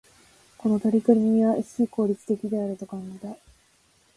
この取り組みは、非効率的であると感じた。